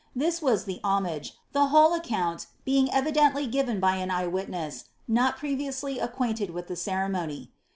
This was the homage, the whole account being evidently given by an eye wit ness, not previously acquainted with the ceremony.